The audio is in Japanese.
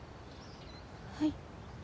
はい。